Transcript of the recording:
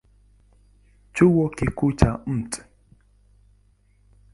Chuo Kikuu cha Mt.